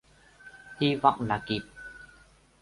hi vọng là kịp